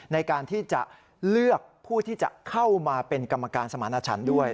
ในการที่จะเลือกผู้ที่จะเข้ามาเป็นกรรมการสมาณชันด้วย